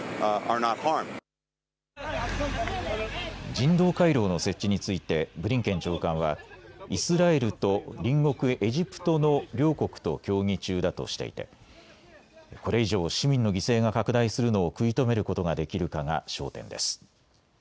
人道回廊の設置についてブリンケン長官はイスラエルと隣国エジプトの両国と協議中だとしていてこれ以上、市民の犠牲が拡大するのを食い止めることができるかが焦点です。